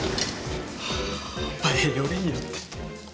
お前よりによって。